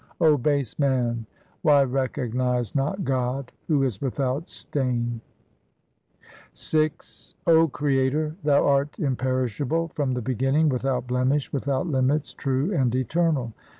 O base man, why recognize not God who is without stain ? VI O Creator, thou art imperishable, from the beginning, without blemish, without limits, true, and eternal.